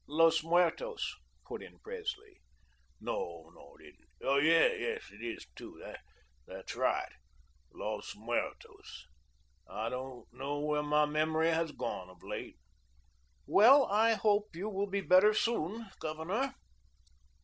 "Los Muertos," put in Presley. "No, it isn't. Yes, it is, too, that's right, Los Muertos. I don't know where my memory has gone to of late." "Well, I hope you will be better soon, Governor."